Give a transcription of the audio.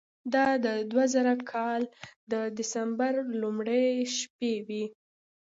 دا د دوه زره کال د دسمبر لومړۍ شپې وې.